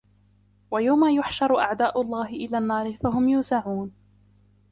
وَيَومَ يُحشَرُ أَعداءُ اللَّهِ إِلَى النّارِ فَهُم يوزَعونَ